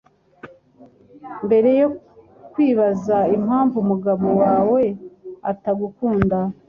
mbere yo kwibaza impamvu umugabo wawe atagukunda